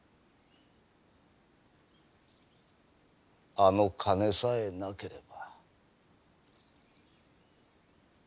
あの鐘さえなければ。